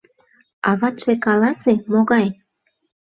— Аватше, каласе, могай?